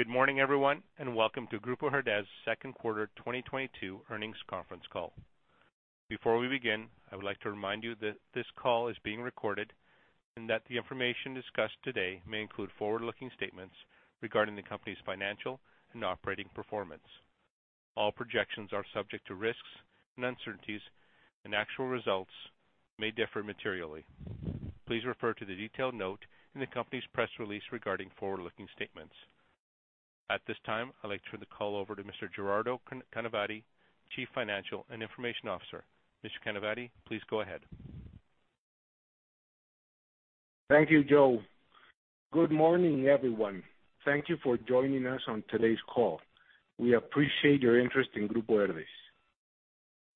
Good morning, everyone, and welcome to Grupo Herdez's Q2 2022 earnings conference call. Before we begin, I would like to remind you that this call is being recorded, and that the information discussed today may include forward-looking statements regarding the company's financial and operating performance. All projections are subject to risks and uncertainties, and actual results may differ materially. Please refer to the detailed note in the company's press release regarding forward-looking statements. At this time, I'd like to turn the call over to Mr. Gerardo Canavati, Chief Financial and Information Officer. Mr. Canavati, please go ahead. Thank you, Joe. Good morning, everyone. Thank you for joining us on today's call. We appreciate your interest in Grupo Herdez.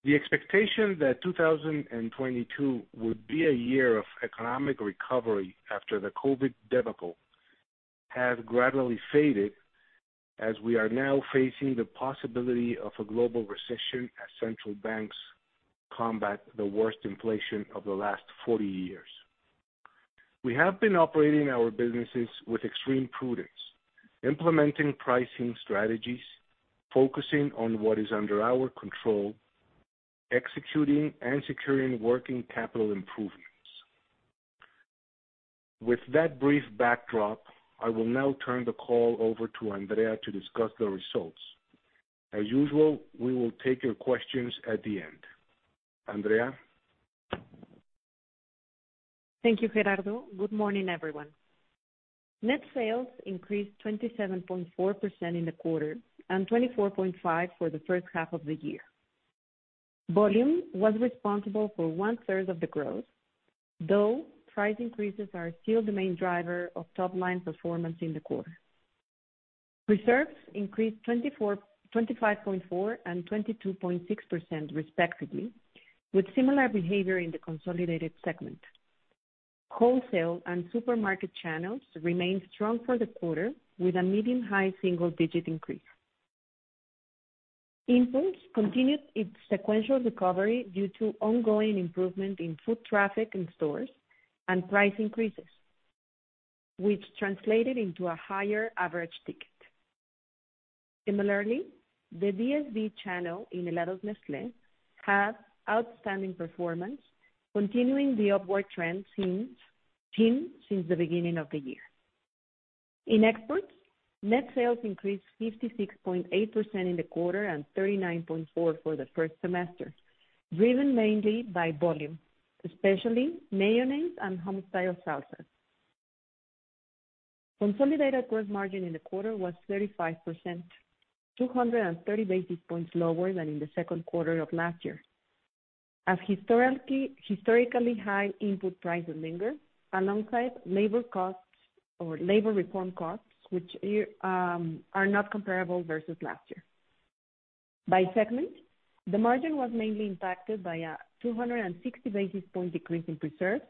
The expectation that 2022 would be a year of economic recovery after the COVID debacle has gradually faded as we are now facing the possibility of a global recession as central banks combat the worst inflation of the last 40 years. We have been operating our businesses with extreme prudence, implementing pricing strategies, focusing on what is under our control, executing and securing working capital improvements. With that brief backdrop, I will now turn the call over to Andrea to discuss the results. As usual, we will take your questions at the end. Andrea? Thank you, Gerardo. Good morning, everyone. Net sales increased 27.4% in the quarter, and 24.5% for the first half of the year. Volume was responsible for 1/3 of the growth, though price increases are still the main driver of top-line performance in the quarter. Preserves increased 25.4% and 22.6% respectively, with similar behavior in the consolidated segment. Wholesale and supermarket channels remained strong for the quarter with a medium-high single digit increase. Impulse continued its sequential recovery due to ongoing improvement in foot traffic in stores and price increases, which translated into a higher average ticket. Similarly, the DSD channel in Helados Nestlé had outstanding performance, continuing the upward trend seen since the beginning of the year. In exports, net sales increased 56.8% in the quarter and 39.4% for the first semester, driven mainly by volume, especially mayonnaise and homestyle salsa. Consolidated gross margin in the quarter was 35%, 230 basis points lower than in the Q2 of last year. As historically high input prices linger alongside labor costs or labor reform costs, which are not comparable versus last year. By segment, the margin was mainly impacted by a 260 basis points decrease in preserves,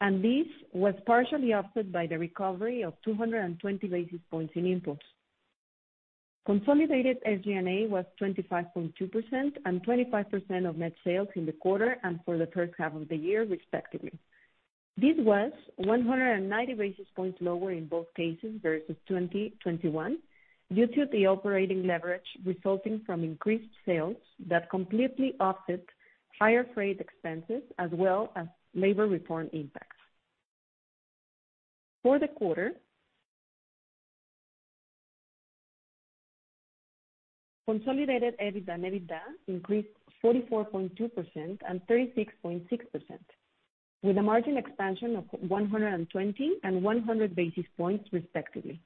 and this was partially offset by the recovery of 220 basis points in impulse. Consolidated SG&A was 25.2% and 25% of net sales in the quarter and for the first half of the year respectively. This was 190 basis points lower in both cases versus 2021 due to the operating leverage resulting from increased sales that completely offset higher freight expenses as well as labor reform impacts. For the quarter, consolidated EBIT and EBITDA increased 44.2% and 36.6%, with a margin expansion of 120 and 100 basis points respectively.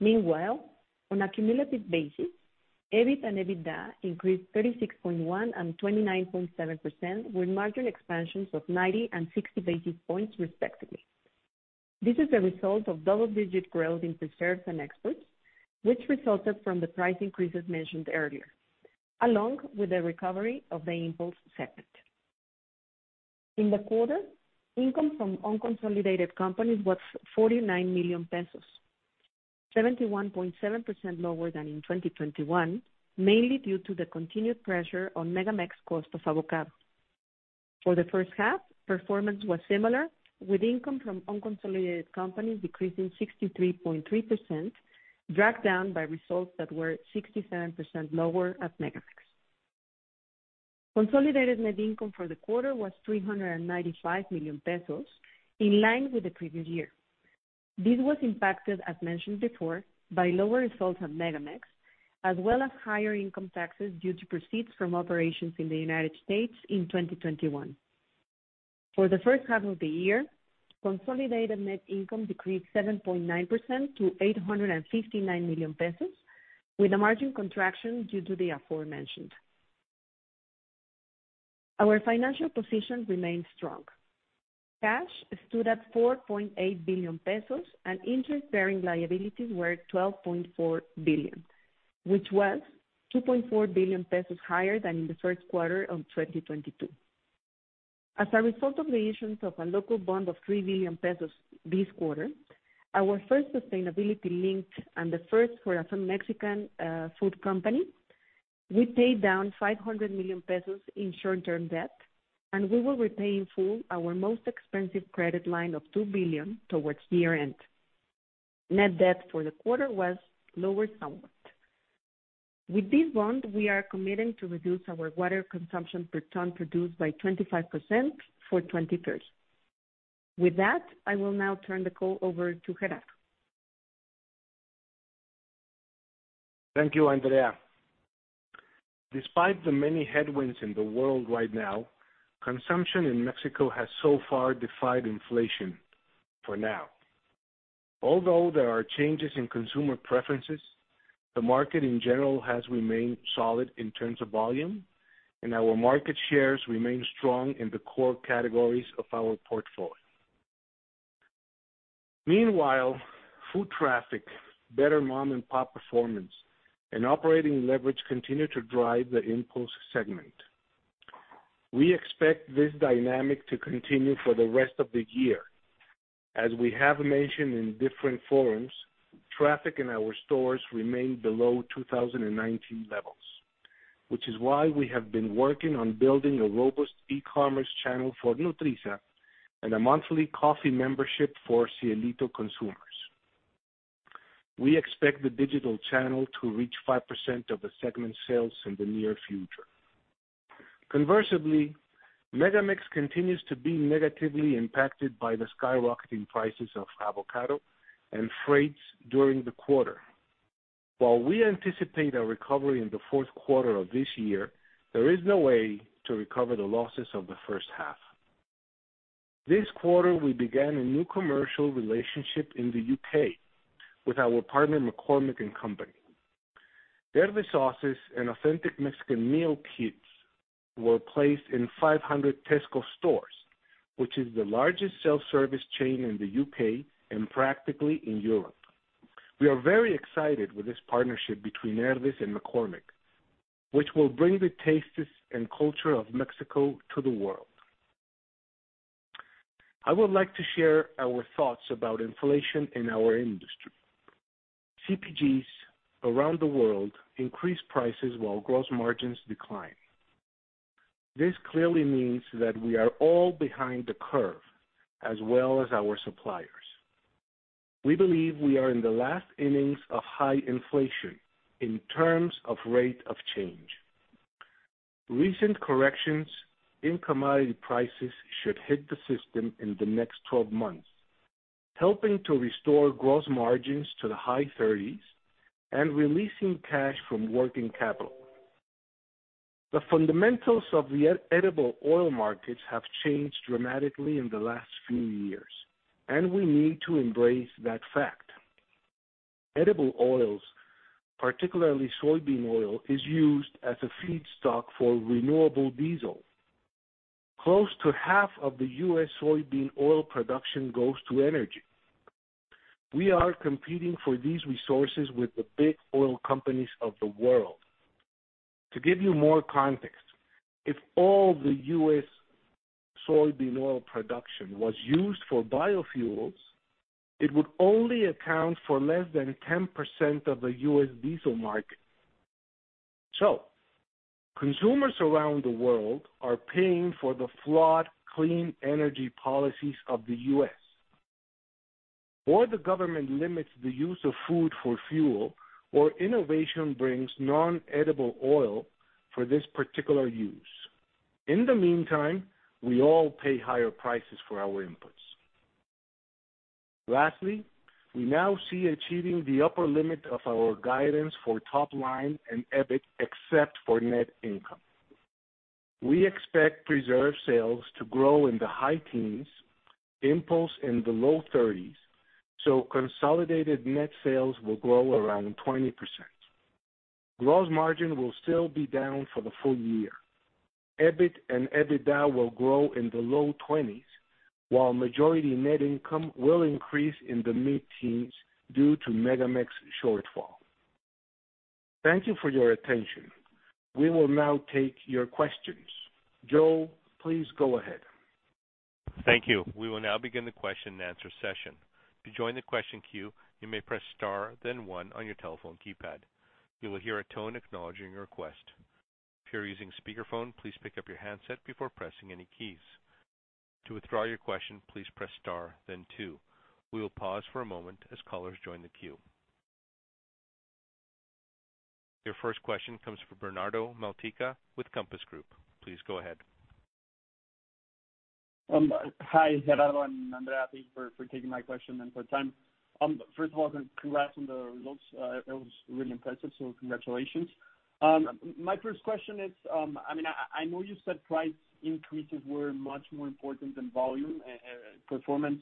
Meanwhile, on a cumulative basis, EBIT and EBITDA increased 36.1% and 29.7%, with margin expansions of 90 and 60 basis points respectively. This is a result of double-digit growth in preserves and exports, which resulted from the price increases mentioned earlier, along with the recovery of the impulse segment. In the quarter, income from unconsolidated companies was 49 million pesos, 71.7% lower than in 2021, mainly due to the continued pressure on MegaMex cost of avocado. For the first half, performance was similar, with income from unconsolidated companies decreasing 63.3%, dragged down by results that were 67% lower at MegaMex. Consolidated net income for the quarter was 395 million pesos, in line with the previous year. This was impacted, as mentioned before, by lower results at MegaMex, as well as higher income taxes due to proceeds from operations in the United States in 2021. For the first half of the year, consolidated net income decreased 7.9% to 859 million pesos, with a margin contraction due to the aforementioned. Our financial position remains strong. Cash stood at 4.8 billion pesos, and interest-bearing liabilities were 12.4 billion, which was 2.4 billion pesos higher than in the Q1 of 2022. As a result of the issuance of a local bond of 3 billion pesos this quarter, our first sustainability-linked bond and the first for a Mexican food company. We paid down 500 million pesos in short-term debt, and we will repay in full our most expensive credit line of 2 billion toward year-end. Net debt for the quarter was lower somewhat. With this bond, we are committing to reduce our water consumption per ton produced by 25% for 2023s. With that, I will now turn the call over to Gerardo Canavati. Thank you, Andrea. Despite the many headwinds in the world right now, consumption in Mexico has so far defied inflation for now. Although there are changes in consumer preferences, the market in general has remained solid in terms of volume, and our market shares remain strong in the core categories of our portfolio. Meanwhile, foot traffic, better mom-and-pop performance, and operating leverage continue to drive the impulse segment. We expect this dynamic to continue for the rest of the year. As we have mentioned in different forums, traffic in our stores remain below 2019 levels, which is why we have been working on building a robust e-commerce channel for Nutrisa and a monthly coffee membership for Cielito consumers. We expect the digital channel to reach 5% of the segment sales in the near future. Conversely, MegaMex continues to be negatively impacted by the skyrocketing prices of avocado and freights during the quarter. While we anticipate a recovery in the Q4 of this year, there is no way to recover the losses of the first half. This quarter, we began a new commercial relationship in the U.K. with our partner, McCormick & Company. Their sauces and authentic Mexican meal kits were placed in 500 Tesco stores, which is the largest self-service chain in the U.K. and practically in Europe. We are very excited with this partnership between Herdez and McCormick, which will bring the tastes and culture of Mexico to the world. I would like to share our thoughts about inflation in our industry. CPGs around the world increase prices while gross margins decline. This clearly means that we are all behind the curve as well as our suppliers. We believe we are in the last innings of high inflation in terms of rate of change. Recent corrections in commodity prices should hit the system in the next 12 months, helping to restore gross margins to the high 30s% and releasing cash from working capital. The fundamentals of the edible oil markets have changed dramatically in the last few years, and we need to embrace that fact. Edible oils, particularly soybean oil, is used as a feedstock for renewable diesel. Close to half of the U.S. soybean oil production goes to energy. We are competing for these resources with the big oil companies of the world. To give you more context, if all the U.S. soybean oil production was used for biofuels, it would only account for less than 10% of the U.S. diesel market. Consumers around the world are paying for the flawed clean energy policies of the U.S., or the government limits the use of food for fuel, or innovation brings non-edible oil for this particular use. In the meantime, we all pay higher prices for our inputs. Lastly, we now see achieving the upper limit of our guidance for top line and EBIT except for net income. We expect preserves sales to grow in the high teens, impulse in the low thirties, so consolidated net sales will grow around 20%. Gross margin will still be down for the full year. EBIT and EBITDA will grow in the low twenties, while minority net income will increase in the mid-teens due to MegaMex shortfall. Thank you for your attention. We will now take your questions. Joe, please go ahead. Thank you. We will now begin the question and answer session. To join the question queue, you may press Star, then one on your telephone keypad. You will hear a tone acknowledging your request. If you're using speakerphone, please pick up your handset before pressing any keys. To withdraw your question, please press Star then two. We will pause for a moment as callers join the queue. Your first question comes from Bernardo Malpica with Compass Group. Please go ahead. Hi, Gerardo and Andrea. Thank you for taking my question and for the time. First of all, congrats on the results. It was really impressive, so congratulations. My first question is, I mean, I know you said price increases were much more important than volume and performance,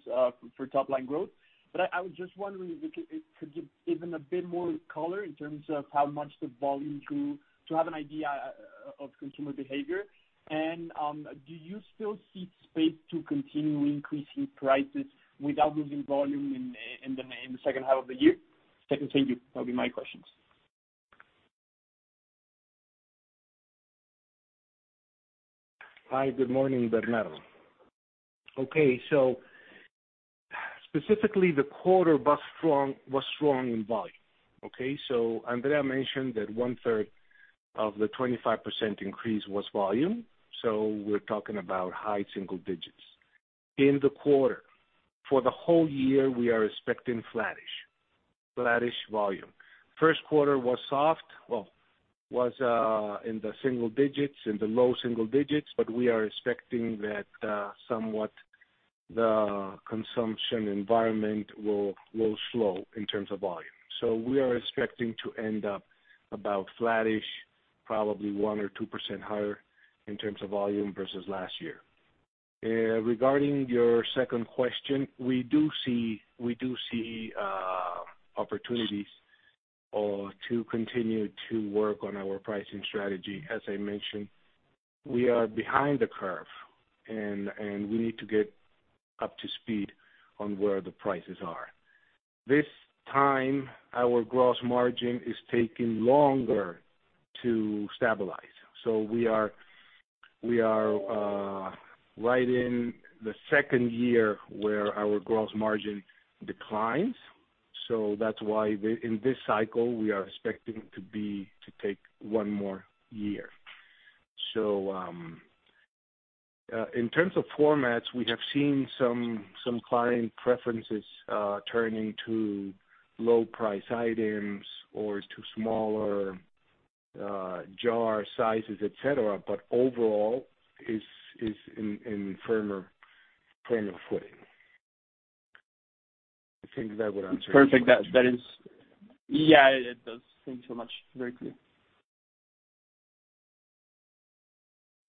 for top line growth, but I was just wondering if you could give even a bit more color in terms of how much the volume grew to have an idea of consumer behavior. Do you still see space to continue increasing prices without losing volume in the second half of the year? Thank you. That'll be my questions. Hi, good morning, Bernardo. Specifically, the quarter was strong in volume. Andrea mentioned that 1/3 of the 25% increase was volume. We're talking about high single digits% in the quarter. For the whole year, we are expecting flattish volume. Q1 was soft, in the low single digits%. We are expecting that somewhat the consumption environment will slow in terms of volume. We are expecting to end up about flattish, probably 1 or 2% higher in terms of volume versus last year. Regarding your second question, we do see opportunities to continue to work on our pricing strategy. As I mentioned, we are behind the curve and we need to get up to speed on where the prices are. This time, our gross margin is taking longer to stabilize. We are right in the second year where our gross margin declines. That's why in this cycle, we are expecting to take one more year. In terms of formats, we have seen some client preferences turning to low price items or to smaller jar sizes, et cetera. Overall is in firmer footing. I think that would answer your question. Perfect. That is. Yeah, it does. Thanks so much. Very clear.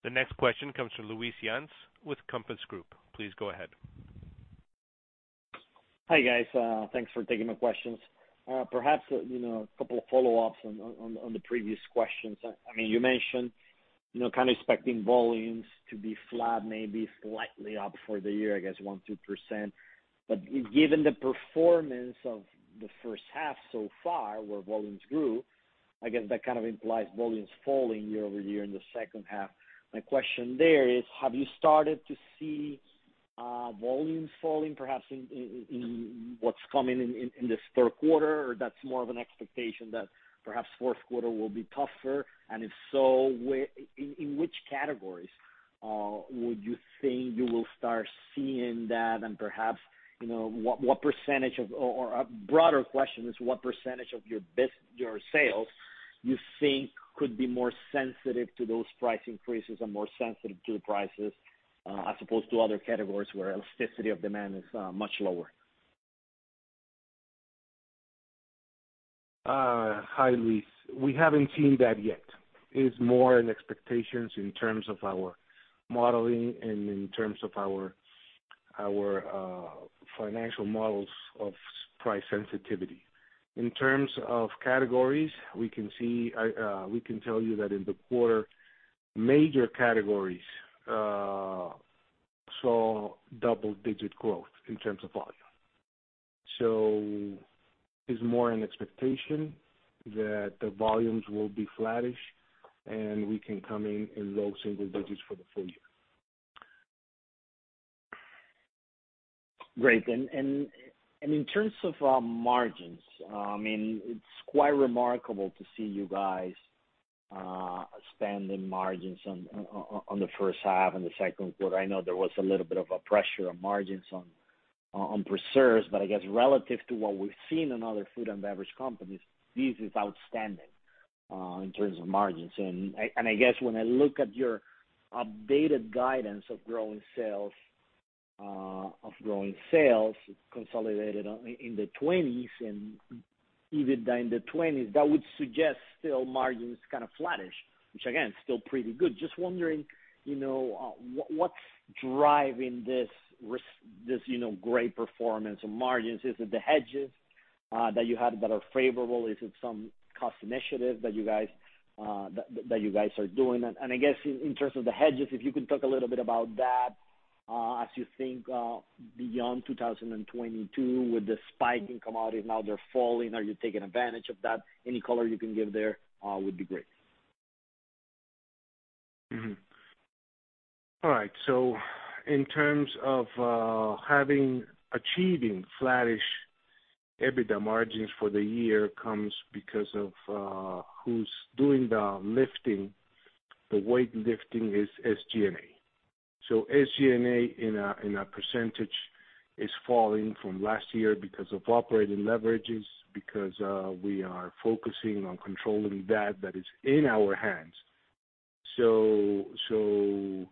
The next question comes from Luis Yance with Compass Group. Please go ahead. Hi, guys. Thanks for taking my questions. Perhaps, you know, a couple of follow-ups on the previous questions. I mean, you mentioned, you know, kind of expecting volumes to be flat, maybe slightly up for the year, I guess 1%-2%. Given the performance of the first half so far, where volumes grew, I guess that kind of implies volumes falling year-over-year in the second half. My question there is, have you started to see volumes falling, perhaps in what's coming in this Q3? Or that's more of an expectation that perhaps Q4 will be tougher? And if so, in which categories would you think you will start seeing that? And perhaps, you know, what percentage of... A broader question is what percentage of your sales you think could be more sensitive to those price increases and more sensitive to the prices, as opposed to other categories where elasticity of demand is much lower? Hi, Luis. We haven't seen that yet. It's more an expectations in terms of our modeling and in terms of our financial models of price sensitivity. In terms of categories, we can see, we can tell you that in the quarter, major categories saw double digit growth in terms of volume. It's more an expectation that the volumes will be flattish and we can come in in low single digits for the full year. Great. In terms of margins, I mean, it's quite remarkable to see you guys expanding margins in the first half and the Q2. I know there was a little bit of pressure on margins on preserves, but I guess relative to what we've seen in other food and beverage companies, this is outstanding in terms of margins. I guess when I look at your updated guidance of growing sales consolidated in the 20s% and EBITDA in the 20s%, that would suggest still margins kind of flattish, which again, still pretty good. Just wondering, you know, what's driving this, you know, great performance on margins? Is it the hedges that you had that are favorable? Is it some cost initiative that you guys are doing? I guess in terms of the hedges, if you could talk a little bit about that, as you think beyond 2022 with the spike in commodities, now they're falling. Are you taking advantage of that? Any color you can give there would be great. All right. In terms of achieving flattish EBITDA margins for the year comes because of who's doing the lifting. The weight lifting is SG&A. SG&A in a percentage is falling from last year because of operating leverages, because we are focusing on controlling that is in our hands. SG&A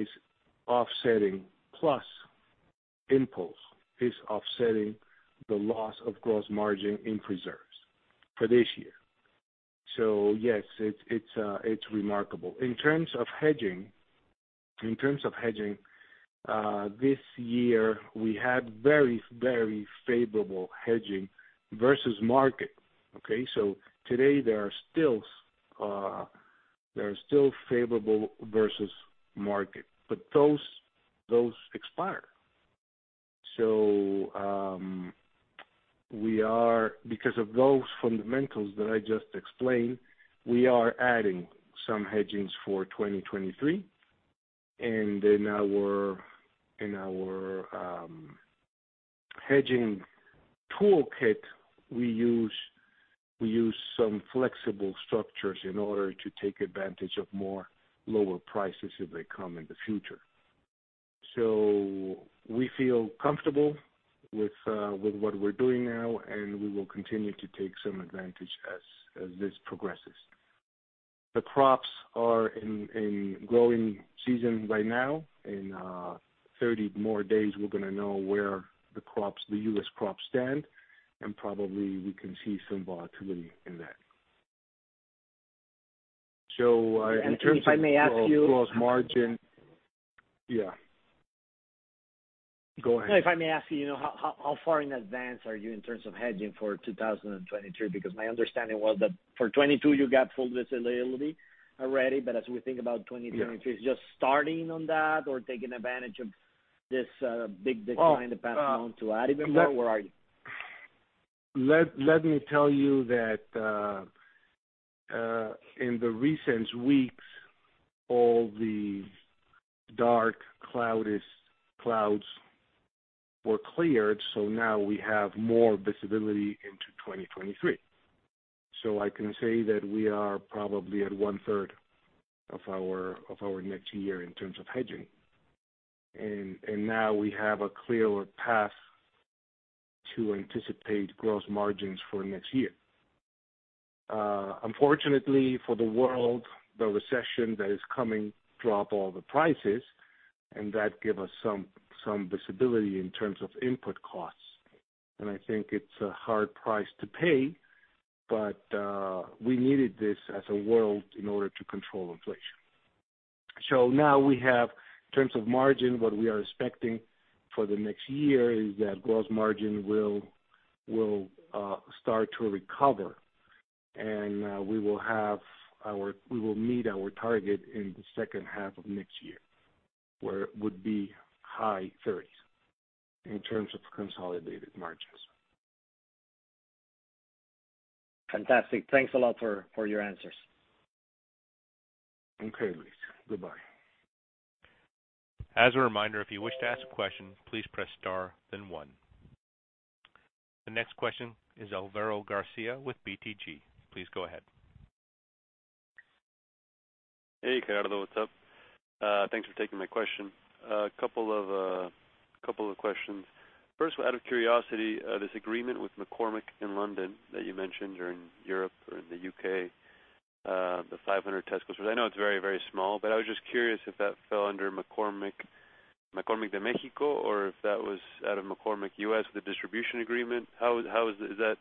is offsetting plus impulse the loss of gross margin in preserves for this year. Yes, it's remarkable. In terms of hedging, this year we had very favorable hedging versus market. Okay. Today there are still favorable versus market. But those expire. Because of those fundamentals that I just explained, we are adding some hedges for 2023. In our hedging toolkit, we use some flexible structures in order to take advantage of more lower prices if they come in the future. We feel comfortable with what we're doing now, and we will continue to take some advantage as this progresses. The crops are in growing season right now. In 30 more days, we're gonna know where the crops, the U.S. crops stand, and probably we can see some volatility in that. In terms of If I may ask you- Gross margin. Yeah. Go ahead. If I may ask you know, how far in advance are you in terms of hedging for 2023? Because my understanding was that for 2022, you got full visibility already. As we think about 2023. Yeah. It's just starting on that or taking advantage of this big decline in the past month to add even more? Where are you? Tell you that in the recent weeks, all the dark cloudiest clouds were cleared, now we have more visibility into 2023. I can say that we are probably at one-third of our next year in terms of hedging. Now we have a clearer path to anticipate gross margins for next year. Unfortunately for the world, the recession that is coming drop all the prices, and that give us some visibility in terms of input costs. I think it's a hard price to pay, but we needed this as a world in order to control inflation. Now we have, in terms of margin, what we are expecting for the next year is that gross margin will start to recover. We will meet our target in the second half of next year, where it would be high 30s% in terms of consolidated margins. Fantastic. Thanks a lot for your answers. Okay, Luis. Goodbye. As a reminder, if you wish to ask a question, please press star, then one. The next question is Alvaro Garcia with BTG. Please go ahead. Hey, Gerardo, what's up? Thanks for taking my question. A couple of questions. First, out of curiosity, this agreement with McCormick in London that you mentioned or in Europe or in the U.K., the 500 Tescos. I know it's very small, but I was just curious if that fell under McCormick de Mexico, or if that was out of McCormick U.S., the distribution agreement. Is that-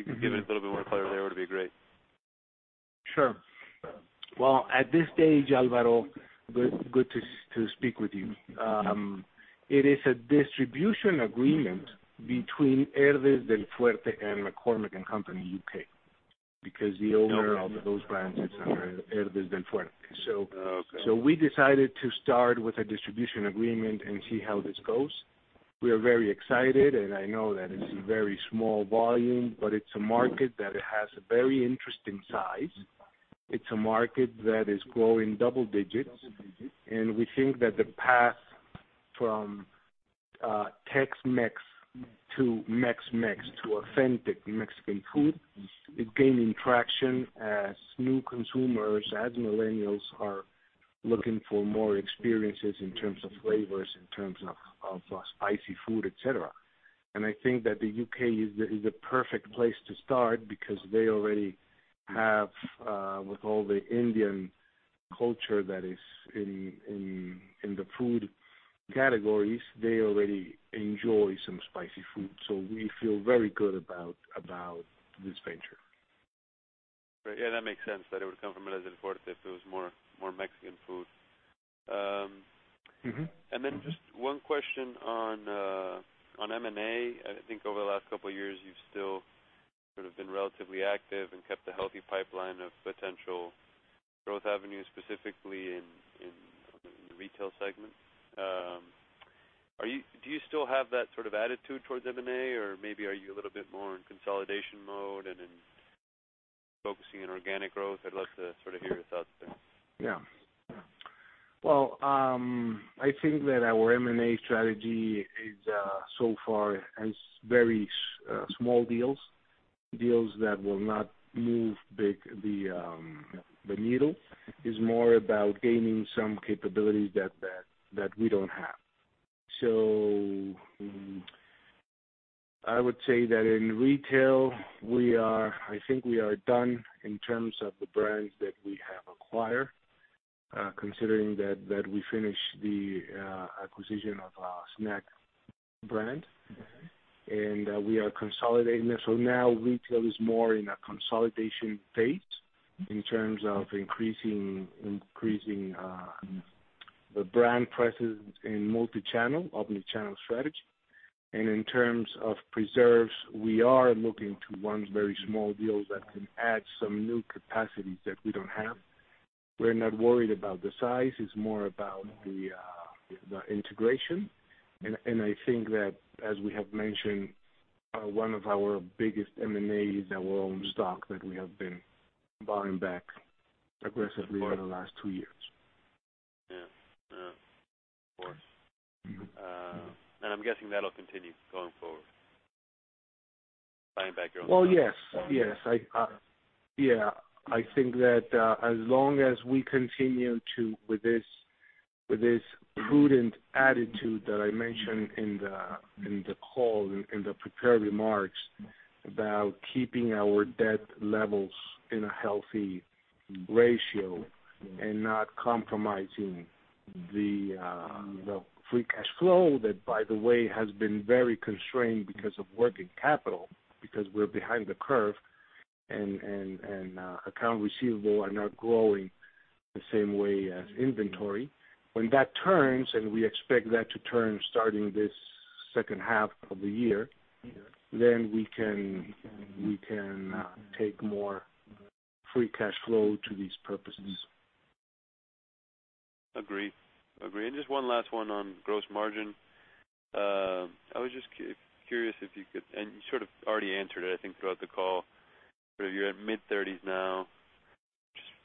Mm-hmm. If you could give it a little bit more color there, it would be great. Sure. Well, at this stage, Alvaro, good to speak with you. It is a distribution agreement between Herdez Del Fuerte and McCormick & Company U.K., because the owner of those brands is under Herdez Del Fuerte. Okay. We decided to start with a distribution agreement and see how this goes. We are very excited, and I know that it's a very small volume, but it's a market that has a very interesting size. It's a market that is growing double digits, and we think that the path from Tex-Mex to Mex-Mex to authentic Mexican food is gaining traction as new consumers, as millennials are looking for more experiences in terms of flavors, in terms of spicy food, et cetera. I think that the U.K. is the perfect place to start because they already have, with all the Indian culture that is in the food categories, they already enjoy some spicy food. We feel very good about this venture. Yeah, that makes sense that it would come from Herdez Del Fuerte if it was more Mexican food. Mm-hmm. Just one question on M&A. I think over the last couple of years, you've still sort of been relatively active and kept a healthy pipeline of potential growth avenues, specifically in the retail segment. Do you still have that sort of attitude towards M&A? Or maybe are you a little bit more in consolidation mode and in focusing on organic growth? I'd love to sort of hear your thoughts there. Yeah. Well, I think that our M&A strategy is, so far has very small deals that will not move big, the needle. It's more about gaining some capabilities that we don't have. I would say that in retail, we are, I think we are done in terms of the brands that we have acquired, considering that we finished the acquisition of a snack brand. We are consolidating that. Now retail is more in a consolidation phase in terms of increasing the brand presence in multichannel, omni-channel strategy. In terms of preserves, we are looking to one very small deal that can add some new capacities that we don't have. We're not worried about the size. It's more about the integration. I think that, as we have mentioned, one of our biggest M&As is our own stock that we have been buying back aggressively over the last two years. Yeah. Yeah. Of course. I'm guessing that'll continue going forward, buying back your own stock. Well, yes. Yeah, I think that as long as we continue with this prudent attitude that I mentioned in the call, in the prepared remarks about keeping our debt levels in a healthy ratio and not compromising the free cash flow, that, by the way, has been very constrained because of working capital, because we're behind the curve and accounts receivable are not growing the same way as inventory. When that turns, and we expect that to turn starting this second half of the year. Yeah. We can take more free cash flow to these purposes. Agree. Just one last one on gross margin. I was just curious if you could, and you sort of already answered it, I think, throughout the call, but you're at mid-30s% now,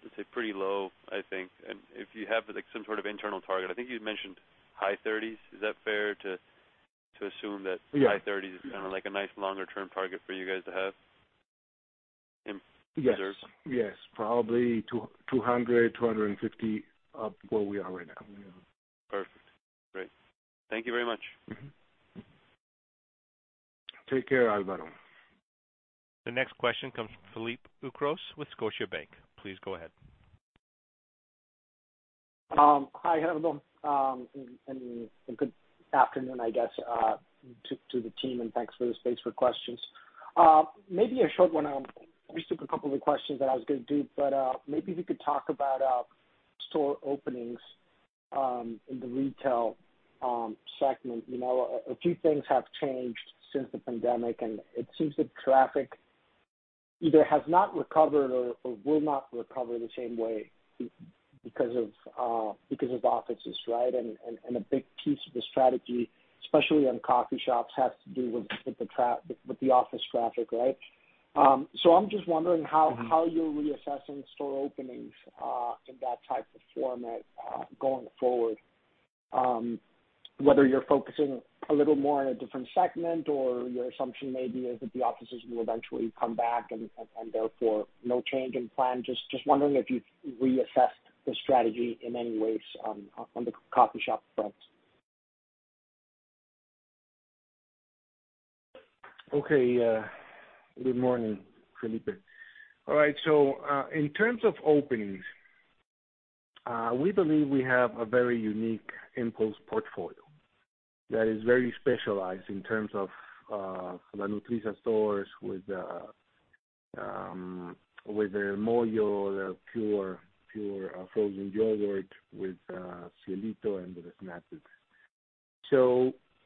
which is, let's say, pretty low, I think. If you have, like, some sort of internal target, I think you'd mentioned high 30s%. Is that fair to assume that? Yeah. High thirties is kind of like a nice longer term target for you guys to have in reserves? Yes. Yes. Probably 200-250 up where we are right now. Yeah. Perfect. Great. Thank you very much. Take care, Alvaro. The next question comes from Felipe Ucros Nunez with Scotiabank. Please go ahead. Hi, Gerardo. Good afternoon, I guess, to the team, and thanks for the space for questions. Maybe a short one. We took a couple of questions that I was gonna do, but maybe if you could talk about store openings in the retail segment. You know, a few things have changed since the pandemic, and it seems that traffic either has not recovered or will not recover the same way because of offices, right? A big piece of the strategy, especially on coffee shops, has to do with the office traffic, right? I'm just wondering how- Mm-hmm. How you're reassessing store openings in that type of format going forward, whether you're focusing a little more on a different segment or your assumption maybe is that the offices will eventually come back and therefore no change in plan. Just wondering if you've reassessed the strategy in any way on the coffee shop front. Good morning, Felipe. All right, in terms of openings, we believe we have a very unique impulse portfolio that is very specialized in terms of the Nutrisa stores with Moyo, the pure frozen yogurt, with Cielito and with the snacks.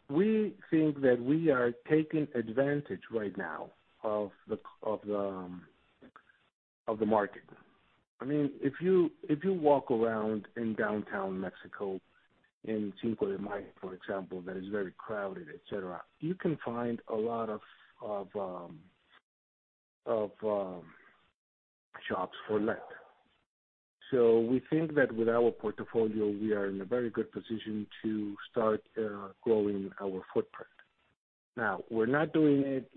We think that we are taking advantage right now of the market. I mean, if you walk around in downtown Mexico, in Cinco de Mayo, for example, that is very crowded, et cetera, you can find a lot of shops for rent. We think that with our portfolio we are in a very good position to start growing our footprint. Now, we're not doing it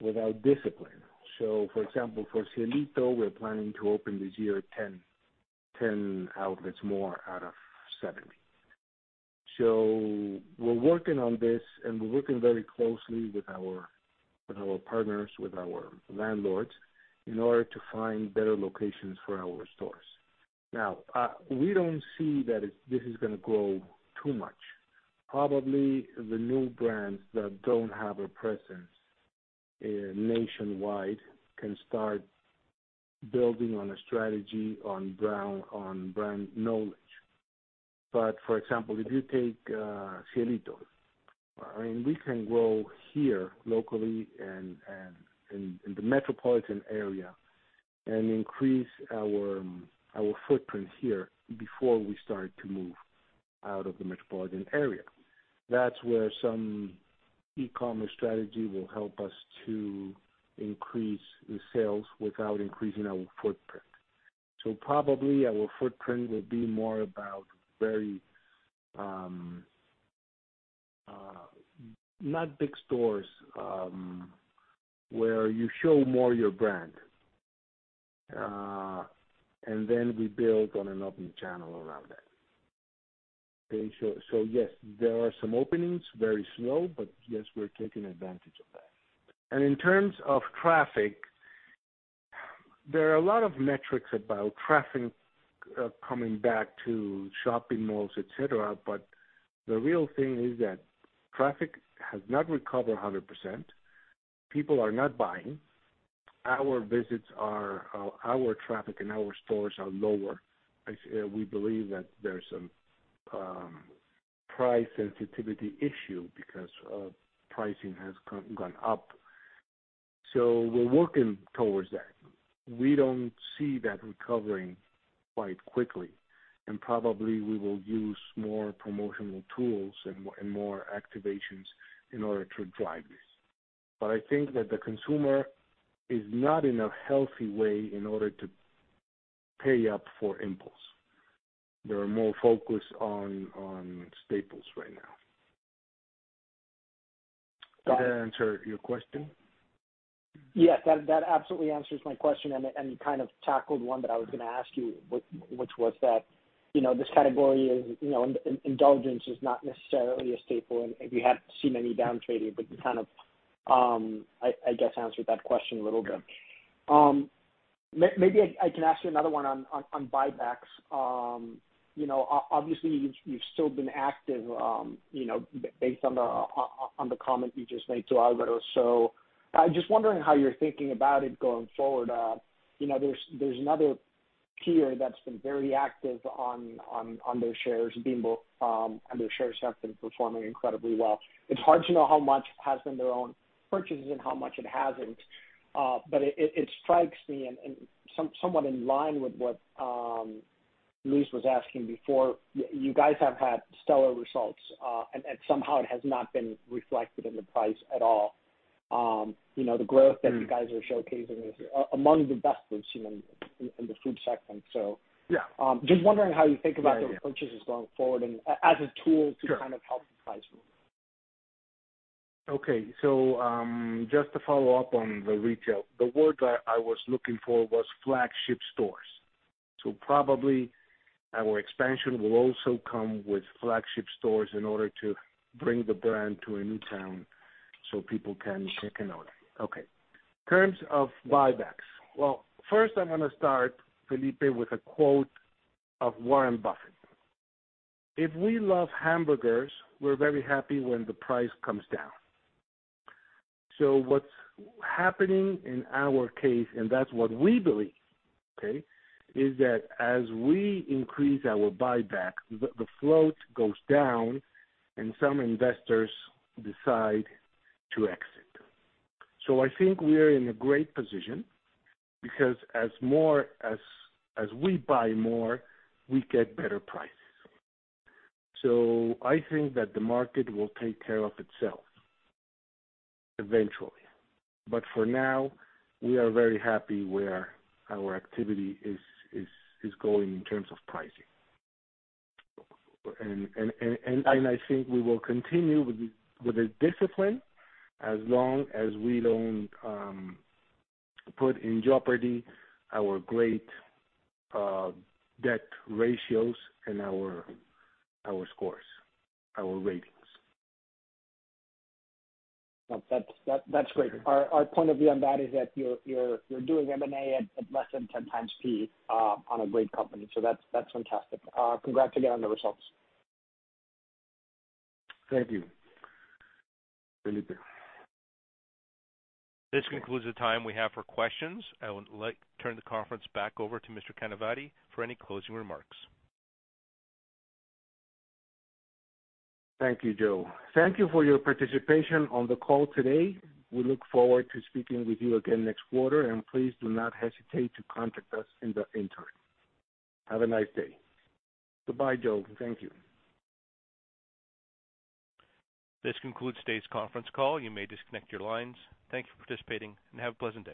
without discipline. For example, for Cielito, we're planning to open this year 10 outlets more out of 70. We're working on this, and we're working very closely with our partners, with our landlords, in order to find better locations for our stores. Now, we don't see that it's, this is gonna grow too much. Probably the new brands that don't have a presence nationwide can start building brand knowledge. For example, if you take Cielito, I mean, we can grow here locally and in the metropolitan area and increase our footprint here before we start to move out of the metropolitan area. That's where some e-commerce strategy will help us to increase the sales without increasing our footprint. Probably our footprint will be more about very not big stores where you show more your brand. Then we build on an open channel around that. Okay. Yes, there are some openings, very slow, but yes, we're taking advantage of that. In terms of traffic, there are a lot of metrics about traffic coming back to shopping malls, et cetera, but the real thing is that traffic has not recovered 100%. People are not buying. Our visits are. Our traffic in our stores are lower. We believe that there's some price sensitivity issue because pricing has gone up. We're working towards that. We don't see that recovering quite quickly, and probably we will use more promotional tools and more activations in order to drive this. I think that the consumer is not in a healthy way in order to pay up for impulse. They are more focused on staples right now. Did that answer your question? Yes, that absolutely answers my question, and you kind of tackled one that I was gonna ask you, which was that, you know, this category is, you know, indulgence is not necessarily a staple, and we haven't seen any downtrading, but you kind of, I guess, answered that question a little bit. Maybe I can ask you another one on buybacks. You know, obviously, you've still been active, you know, based on the comment you just made to Alvaro. I'm just wondering how you're thinking about it going forward. You know, there's another peer that's been very active on their shares, Bimbo, and their shares have been performing incredibly well. It's hard to know how much has been their own purchases and how much it hasn't. It strikes me, somewhat in line with what Luis was asking before, you guys have had stellar results, and somehow it has not been reflected in the price at all. You know, the growth that you guys are showcasing is among the best we've seen in the food sector. Yeah. Just wondering how you think about those purchases going forward and as a tool to kind of help the price. Okay. Just to follow up on the retail, the word I was looking for was flagship stores. Probably our expansion will also come with flagship stores in order to bring the brand to a new town so people can check it out. Okay. In terms of buybacks, well, first I'm gonna start, Felipe, with a quote of Warren Buffett. "If we love hamburgers, we're very happy when the price comes down." What's happening in our case, and that's what we believe, is that as we increase our buyback, the float goes down and some investors decide to exit. I think we are in a great position because as we buy more, we get better prices. I think that the market will take care of itself eventually. For now, we are very happy where our activity is going in terms of pricing. I think we will continue with the discipline as long as we don't put in jeopardy our great debt ratios and our scores, our ratings. That's great. Our point of view on that is that you're doing M&A at less than 10 times P on a great company. That's fantastic. Congrats again on the results. Thank you, Felipe. This concludes the time we have for questions. I would like to turn the conference back over to Mr. Canavati for any closing remarks. Thank you, Joe. Thank you for your participation on the call today. We look forward to speaking with you again next quarter, and please do not hesitate to contact us in the interim. Have a nice day. Goodbye, Joe, and thank you. This concludes today's conference call. You may disconnect your lines. Thank you for participating and have a pleasant day.